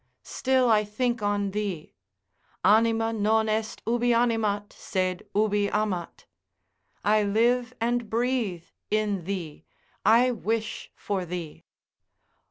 Still I think on thee. Anima non est ubi animat, sed ubi amat. I live and breathe in thee, I wish for thee.